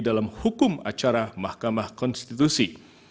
dalam hukum acara mahkamah konstitusi